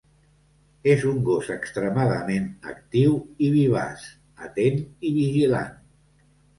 És un gos extremadament actiu i vivaç, atent i vigilant.